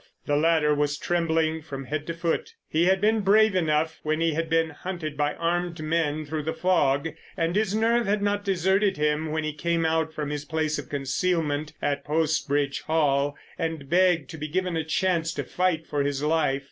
The latter was trembling from head to foot. He had been brave enough when he had been hunted by armed men through the fog, and his nerve had not deserted him when he came out from his place of concealment at Post Bridge Hall and begged to be given a chance to fight for his life.